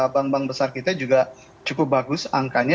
bank bank besar kita juga cukup bagus angkanya